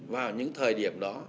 vào những thời điểm đó